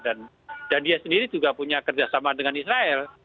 dan dia sendiri juga punya kerjasama dengan israel